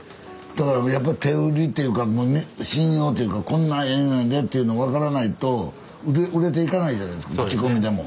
だからやっぱり手売りというか信用というかこんなええんやでっていうの分からないと売れていかないじゃないですか口コミでも。